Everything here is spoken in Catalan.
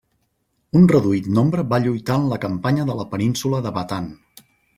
Un reduït nombre va lluitar en la Campanya de la península de Batan.